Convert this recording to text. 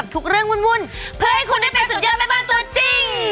แอฟแวนทิลาปุ๊ยไฟ